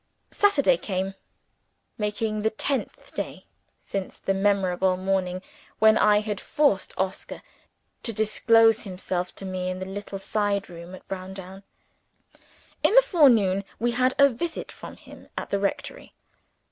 Saturday came making the tenth day since the memorable morning when I had forced Oscar to disclose himself to me in the little side room at Browndown. In the forenoon we had a visit from him at the rectory.